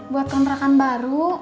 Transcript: buat kontrakan baru